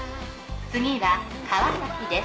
次は川崎です。